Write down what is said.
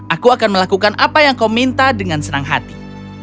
aku akan melakukan apa yang kau minta dengan senang hati